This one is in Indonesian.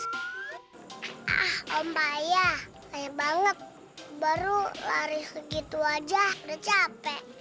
ah om payah payah banget baru lari segitu aja udah capek